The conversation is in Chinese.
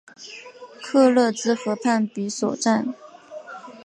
克勒兹河畔比索站。